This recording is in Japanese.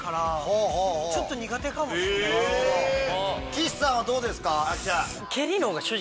岸さんはどうですか？